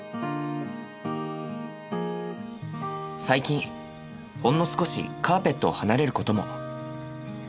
最近ほんの少しカーペットを離れることも。